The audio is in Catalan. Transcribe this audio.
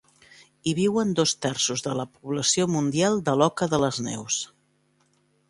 Hi viuen dos terços de la població mundial de l'oca de les neus.